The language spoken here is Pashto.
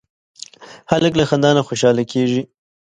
هلک له خندا نه خوشحاله کېږي.